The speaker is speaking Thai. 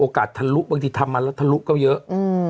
ทะลุบางทีทำมาแล้วทะลุก็เยอะ